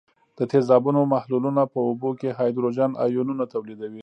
د تیزابونو محلولونه په اوبو کې هایدروجن آیونونه تولیدوي.